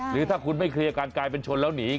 หรือถ้าคุณไม่เคลียร์การกลายเป็นชนแล้วหนี